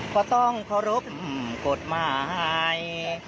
ก็ต้องเคารพกฎหมาย